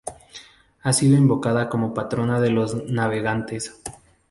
Ha sido invocada como patrona de los navegantes.